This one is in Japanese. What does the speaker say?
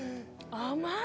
甘い！